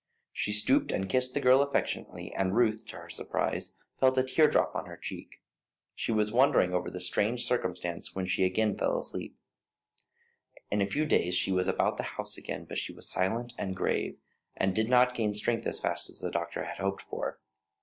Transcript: She stooped and kissed the girl affectionately, and Ruth, to her surprise, felt a tear drop on her cheek. She was wondering over this strange circumstance when she again fell asleep. In a few days she was about the house again, but she was silent and grave, and did not gain strength as fast as the doctor had hoped for.